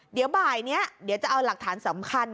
เดี๋ยวบ่ายนี้เดี๋ยวจะเอาหลักฐานสำคัญ